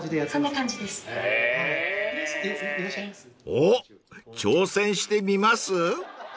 ［おっ挑戦してみます？］